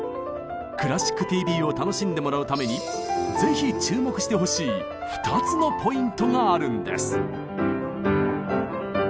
「クラシックＴＶ」を楽しんでもらうためにぜひ注目してほしい２つのポイントがあるんです。